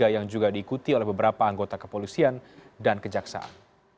yang juga diikuti oleh beberapa anggota kepolisian dan kejaksaan